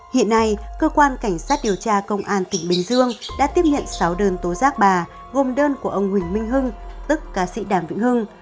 hiện nay cơ quan cảnh sát điều tra công an tỉnh bình dương đã tiếp nhận sáu đơn tố giác bà gồm đơn của ông huỳnh minh hưng